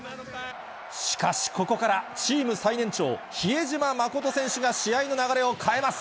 しかし、ここからチーム最年長、比江島慎選手が試合の流れを変えます。